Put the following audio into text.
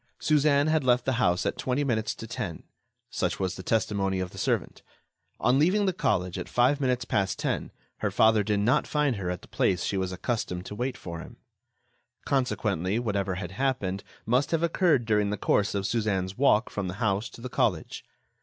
Suzanne had left the house at twenty minutes to ten; such was the testimony of the servant. On leaving the college, at five minutes past ten, her father did not find her at the place she was accustomed to wait for him. Consequently, whatever had happened must have occurred during the course of Suzanne's walk from the house to the college.